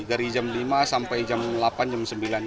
dari jam lima sampai jam delapan jam sembilan